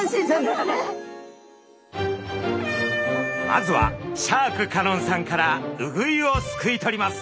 まずはシャーク香音さんからウグイをすくい取ります。